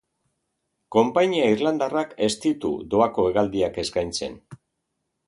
Konpainia irlandarrak ez ditu doako hegaldiak eskaintzen.